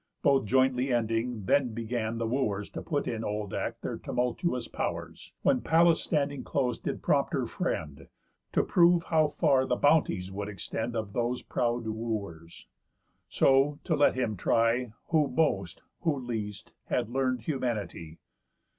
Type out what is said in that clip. Both jointly ending, then began the Wooers To put in old act their tumultuous pow'rs; When Pallas standing close did prompt her friend, To prove how far the bounties would extend Of those proud Wooers; so, to let him try Who most, who least, had learn'd humanity.